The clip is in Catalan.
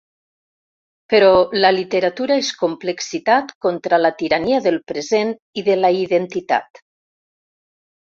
Però la literatura és complexitat contra la tirania del present i de la identitat.